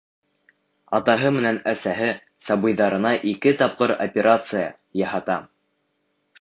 Атаһы менән әсәһе сабыйҙарына ике тапҡыр операция яһата.